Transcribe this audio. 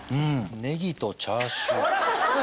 ネギとチャーシュー。